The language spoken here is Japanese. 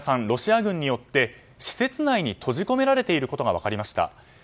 ロシア軍によって施設内に閉じ込められていることが分かりました。